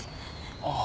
ああ。